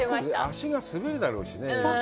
足が滑るだろうしね。